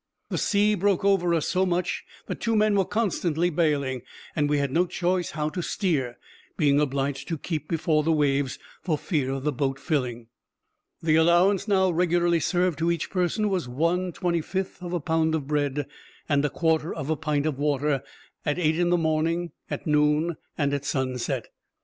The sea broke over us so much, that two men were constantly bailing; and we had no choice how to steer, being obliged to keep before the waves, for fear of the boat filling. The allowance now regularly served to each person was 1 25th of a pound of bread, and a quarter of a pint of water, at eight in the morning, at noon, and at sunset.